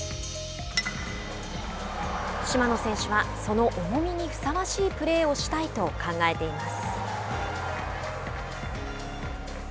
島野選手はその重みにふさわしいプレーをしたいと考えています。